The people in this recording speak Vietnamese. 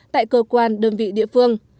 tại cơ quan đơn vị địa phương